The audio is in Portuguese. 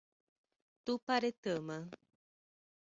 Tuparetama